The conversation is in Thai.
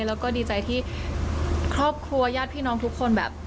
แล้วก็ดีใจที่ครอบครัวญาติพี่น้องทุกคนแบบ